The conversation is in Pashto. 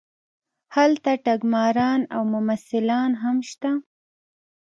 هلته ټګماران او ممثلان هم شته.